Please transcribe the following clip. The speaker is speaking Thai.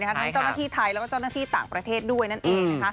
ทั้งเจ้าหน้าที่ไทยแล้วก็เจ้าหน้าที่ต่างประเทศด้วยนั่นเอง